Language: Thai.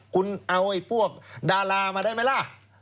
คุณเอาพวกดารามาได้ไหมล่ะ